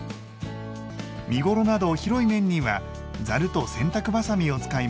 身頃など広い面にはざると洗濯ばさみを使います。